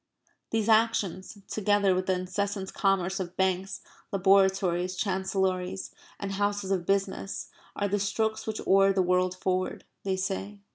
These actions, together with the incessant commerce of banks, laboratories, chancellories, and houses of business, are the strokes which oar the world forward, they say.